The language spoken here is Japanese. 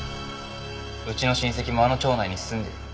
うちの親戚もあの町内に住んでる。